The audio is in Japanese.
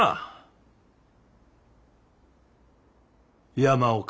山岡。